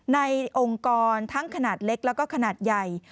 ในองค์กรทั้งขนาดเล็กแล้วก็ขนาดใหญ่